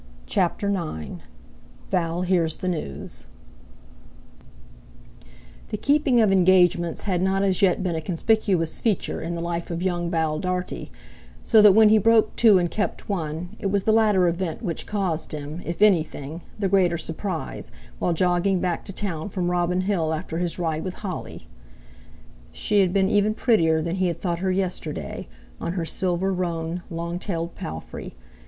CHAPTER IX VAL HEARS THE NEWS The keeping of engagements had not as yet been a conspicuous feature in the life of young Val Dartie, so that when he broke two and kept one, it was the latter event which caused him, if anything, the greater surprise, while jogging back to town from Robin Hill after his ride with Holly. She had been even prettier than he had thought her yesterday, on her silver roan, long tailed "palfrey".